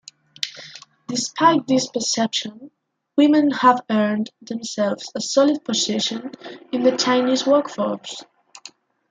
Despite this perception, women have earned themselves a solid position in the Chinese workforce.